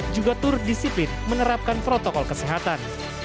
juga tur disiplin menerapkan protokol kesehatan